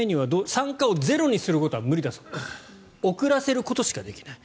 酸化をゼロにすることは無理です遅らせることしかできない。